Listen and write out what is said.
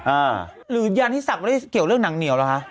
หรือยานิสักไม่ได้เกี่ยวเรื่องหนังเหนียวเหรอคะ